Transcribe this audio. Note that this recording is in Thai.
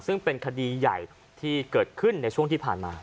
ซึ่งเป็นคดีใหญ่ที่เกิดขึ้นในช่วงที่ผ่านมา